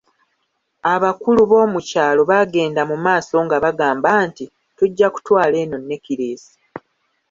Abakulu bo mu kyalo baagenda mu maaso nga bagamba nti, tujja kutwala eno nekkireesi.